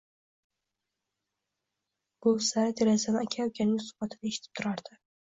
Buvsara derazadan aka-ukaning suhbatini eshitib turardi